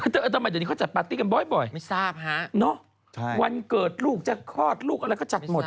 แต่เออทำไมเดี๋ยวนี้เขาจัดปาร์ตี้กันบ่อยเนาะวันเกิดลูกจะคลอดลูกอะไรก็จัดหมดอะ